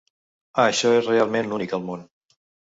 Això és realment únic al món.